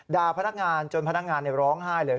พนักงานจนพนักงานร้องไห้เลย